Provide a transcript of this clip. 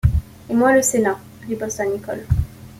Et moi le sénat, riposta Nicholl.